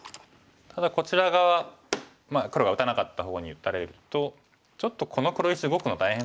ただこちら側黒が打たなかった方に打たれるとちょっとこの黒石動くの大変そうじゃないですか。